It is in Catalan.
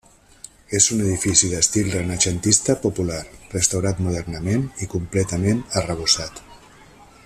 És un edifici d'estil renaixentista popular, restaurat modernament i completament arrebossat.